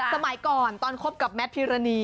สมัยก่อนตอนคบกับแมทพิรณี